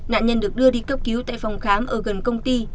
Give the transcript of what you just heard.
nạn nhân được đưa đi cấp cứu tại phòng khám ở gần công ty